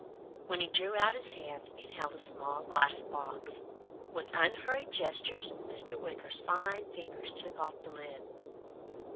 When he drew out his hand it held a small glass box. With unhurried gestures Mr. Wicker's fine fingers took off the lid.